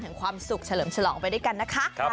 ความสุขเฉลิมฉลองไปด้วยกันนะคะ